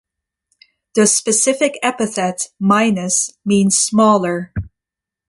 The specific epithet ("minus") means "smaller".